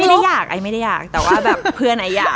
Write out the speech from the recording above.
ไม่ได้อยากไอ้ไม่ได้อยากแต่ว่าแบบเพื่อนไอ้อยาก